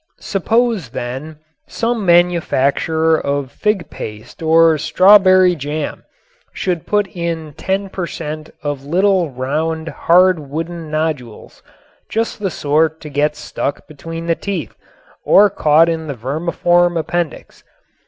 Suppose then some manufacturer of fig paste or strawberry jam should put in ten per cent. of little round hard wooden nodules, just the sort to get stuck between the teeth or caught in the vermiform appendix.